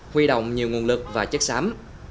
huy động nhiều nguồn lực và chất xám